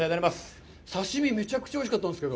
刺身、めちゃくちゃおいしかったんですけど。